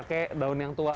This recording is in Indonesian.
makanya pakai daun yang tua